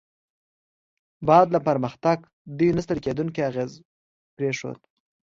بعد له پرمختګ، دوی نه ستړي کیدونکی اغېز پرېښود.